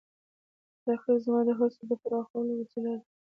رقیب زما د هڅو د پراخولو وسیله ده